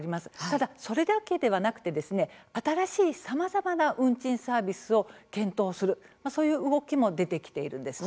ただ、それだけではなくて新しいさまざまな運賃サービスを検討する、そういう動きも出てきているんです。